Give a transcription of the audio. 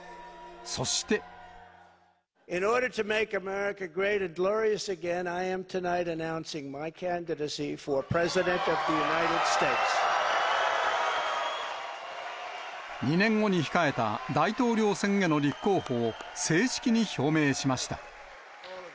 そして。２年後に控えた大統領選への立候補を正式に表明しました。